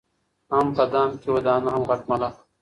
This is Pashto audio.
هم په دام کي وه دانه هم غټ ملخ و